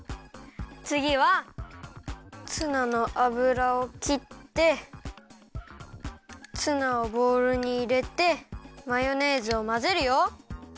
つぎはツナのあぶらをきってツナをボウルにいれてマヨネーズをまぜるよ。